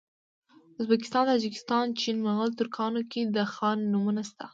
ازبکستان تاجکستان چین مغول ترکانو کي د خان نومونه سته